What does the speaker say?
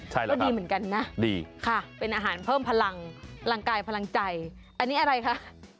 ใช่แล้วดีเหมือนกันนะดีค่ะเป็นอาหารเพิ่มพลังกายพลังใจอันนี้อะไรคะ